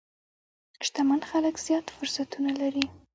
شتمن خلک زیات فرصتونه لري.